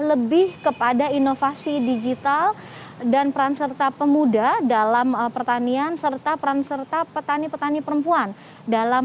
lebih kepada inovasi digital dan peran serta pemuda dalam pertanian serta peran serta petani petani perempuan dalam